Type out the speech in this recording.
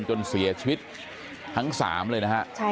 จนเสียชีวิตทั้ง๓เลยนะฮะ